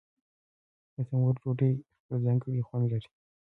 د تنور ډوډۍ خپل ځانګړی خوند لري.